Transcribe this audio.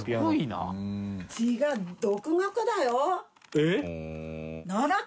えっ？